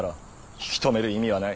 引き止める意味はない。